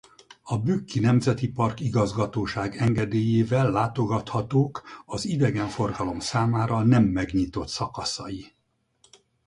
A Bükki Nemzeti Park Igazgatóság engedélyével látogathatók az idegenforgalom számára nem megnyitott szakaszai.